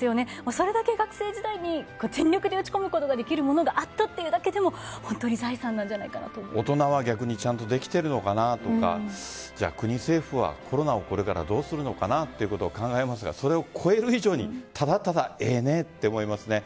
それだけ学生時代に全力で打ち込むことができるものがあったというだけでも本当に財産なんじゃないかと大人はできているのかなとか国、政府はコロナをこれからどうするのかなということを考えますがそれを超える以上にただただ、ええねと思います。